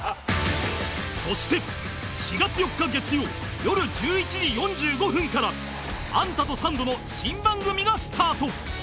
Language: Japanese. そして４月４日月曜よる１１時４５分からアンタとサンドの新番組がスタート